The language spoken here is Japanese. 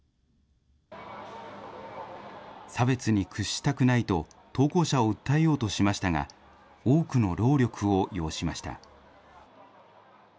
差別に屈したくないと、投稿者を訴えようとしましたが、多くの労力を要しました。